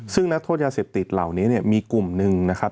ซึ่งนักโทษยาเสพติดเหล่านี้เนี่ยมีกลุ่มหนึ่งนะครับ